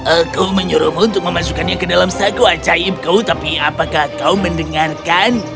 aku menyuruhmu untuk memasukkannya ke dalam saku acaibku tapi apa yang akan terjadi